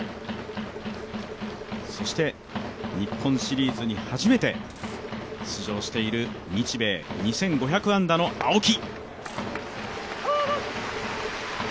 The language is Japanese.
そして日本シリーズに初めて出場している、日米２５００安打の青木。